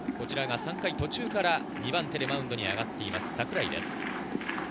３回途中から２番手でマウンドに上がっている櫻井です。